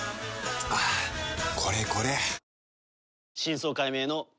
はぁこれこれ！